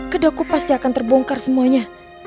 keduaku pasti akan terbongkar semuanya